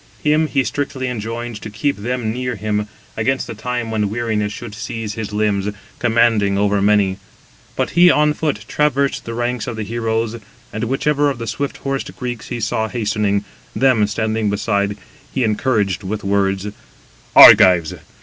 Him he strictly enjoined to keep them near him, against the time when weariness should seize his limbs, commanding over many. But he on foot traversed the ranks of the heroes, and whichever of the swift horsed Greeks he saw hastening, them standing beside, he encouraged with words: "Argives!